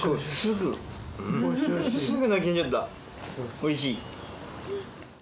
おいしい？